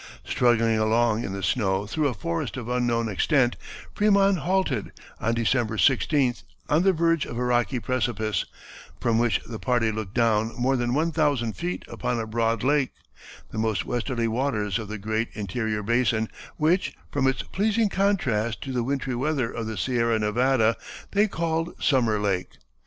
Struggling along in the snow through a forest of unknown extent, Frémont halted, on December 16th, on the verge of a rocky precipice, from which the party looked down more than one thousand feet upon a broad lake, the most westerly waters of the great interior basin, which, from its pleasing contrast to the wintry weather of the Sierra Nevada, they called Summer Lake.